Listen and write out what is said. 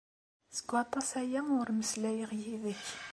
Seg waṭas-aya ur mmeslayeɣ yid-k.